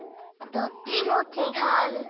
どっちもちがう！